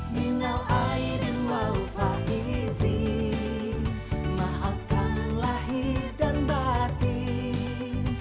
minal aidin walfa izin maafkan lahir dan batin